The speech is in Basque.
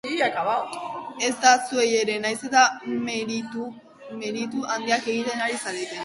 Ezta zuei ere, nahiz eta meritu handiak egiten ari zareten...